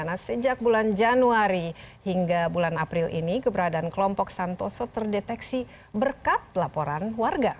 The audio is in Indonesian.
nah sejak bulan januari hingga bulan april ini keberadaan kelompok santoso terdeteksi berkat laporan warga